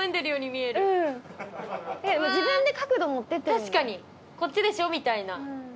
確かに「こっちでしょ」みたいな。